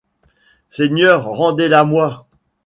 Seigneur, rendez-la-moi.